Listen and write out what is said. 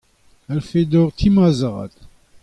Alc'hwez dor ti ma zad.